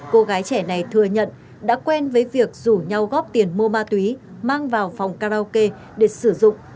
cô gái trẻ này thừa nhận đã quen với việc rủ nhau góp tiền mua ma túy mang vào phòng karaoke để sử dụng